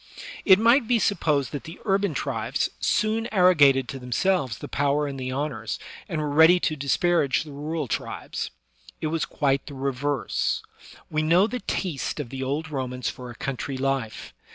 It might be supposed that the urban tribes soon arrogated to themselves the power and the honors, and were ready to disparage the rural tribes. It was quite the reverse. We know the taste of the old Romans for a country life.